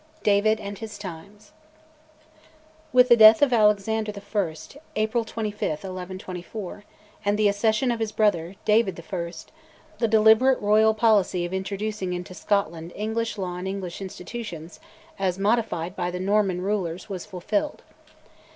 DAVID I. AND HIS TIMES. With the death of Alexander I. (April 25, 1124) and the accession of his brother, David I., the deliberate Royal policy of introducing into Scotland English law and English institutions, as modified by the Norman rulers, was fulfilled.